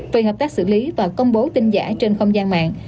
về hợp tác xử lý và công bố tin giả trên không gian mạng